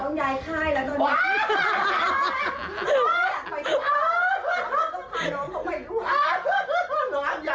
ไม่ฉันซื้อกระเป๋าให้เธอซื้อให้เธอด้วยนะ